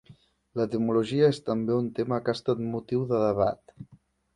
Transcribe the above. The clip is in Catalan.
L'etimologia és també un tema que ha estat motiu de debat.